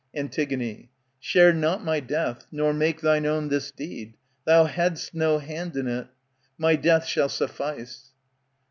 Antig, Share not my death, nor make thine own this deed Thou had^st no hand in. My death shall suffice.